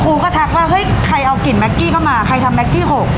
ก็ทักว่าเฮ้ยใครเอากลิ่นแก๊กกี้เข้ามาใครทำแก๊กกี้๖